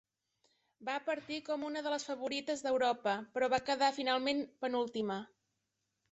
Va partir com una de les favorites d'Europa, però va quedar finalment penúltima.